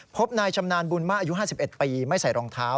พบนายชำนาญบุญมากอายุ๕๑ปีไม่ใส่รองเท้า